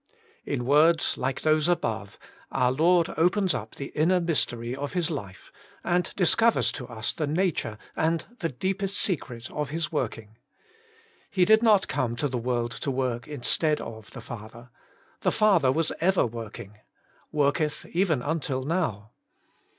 In words like those above, our Lord opens up the inner mystery of His life, and discovers to us the nature and the deepest secret of His working. He did not come to the world to work instead of the Father; the Father was ever vv^orking —* worketh even until now.'